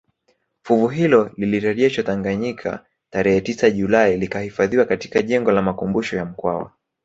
Fuvu hilo lilirejeshwa Tanganyika tarehe tisa Julai likahifadhiwa katika jengo la makumbusho ya Mkwawa